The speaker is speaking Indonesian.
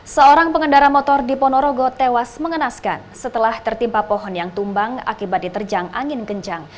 seorang pengendara motor di ponorogo tewas mengenaskan setelah tertimpa pohon yang tumbang akibat diterjang angin kencang